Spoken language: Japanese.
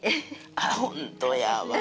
あっ、ほんとやわ。